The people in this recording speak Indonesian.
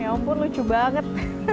ya ampun lucu banget